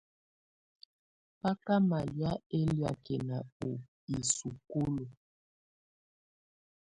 Bá ká malɛ̀á ɛlɛakɛna u isukulu.